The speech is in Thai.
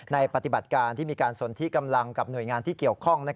ปฏิบัติการที่มีการสนที่กำลังกับหน่วยงานที่เกี่ยวข้อง